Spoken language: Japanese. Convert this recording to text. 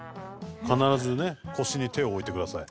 必ずね腰に手を置いてください。